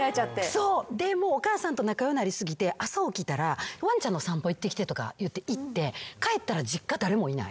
そうでもうお母さんと仲良うなり過ぎて朝起きたらワンちゃんの散歩行ってきてとかいって行って帰ったら実家誰もいない。